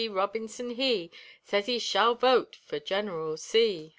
Robinson he Sez he shall vote fer Gineral C.